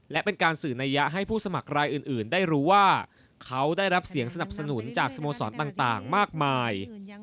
และเป็นการสื่อนัยยะให้ผู้สมัครรายอื่นได้รู้ว่าเขาได้รับเสียงสนับสนุนจากสโมสรต่างมากมาย